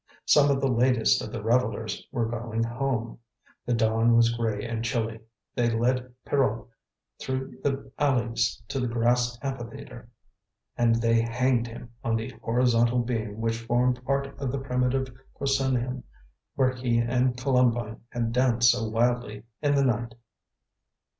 Some of the latest of the revellers were going home. The dawn was grey and chilly; they led Pierrot through the alleys to the grass amphitheatre, and they hanged him on the horizontal beam which formed part of the primitive proscenium where he and Columbine had danced so wildly in the night.